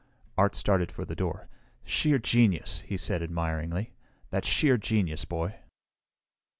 Art started for the door. "Sheer genius," he said admiringly. "That's sheer genius, Boy!"